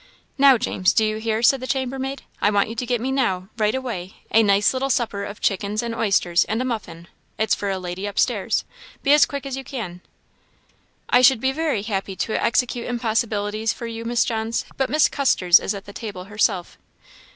"Now, James, do you hear?" said the chambermaid; "I want you to get me now, right away, a nice little supper of chickens and oysters, and a muffin it's for a lady upstairs. Be as quick as you can." "I should be very happy to execute impossibilities for you, Miss Johns, but Mrs. Custers is at the table herself."